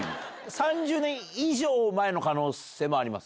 ３０年以上前の可能性あります？